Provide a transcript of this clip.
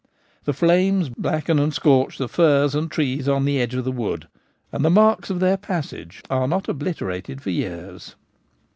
The flames blacken and scorch the firs and trees on the edge of the wood, and the marks of their passage are not obliterated for years.